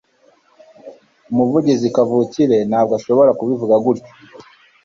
Umuvugizi kavukire ntabwo ashobora kubivuga atyo